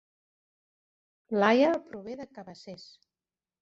Laia prové de Cabacés